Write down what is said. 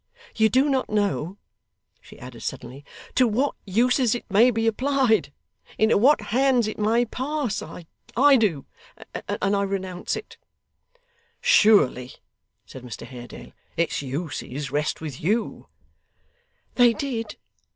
You do not know,' she added, suddenly, 'to what uses it may be applied; into what hands it may pass. I do, and I renounce it.' 'Surely,' said Mr Haredale, 'its uses rest with you.' 'They did.